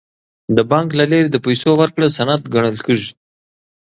د بانک له لارې د پیسو ورکړه سند ګڼل کیږي.